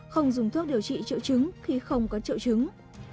không dùng thuốc điều trị triệu chứng khi không có triệu chứng